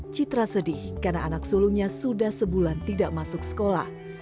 citra sedih karena anak sulungnya sudah sebulan tidak masuk sekolah